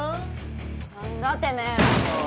何だてめえら。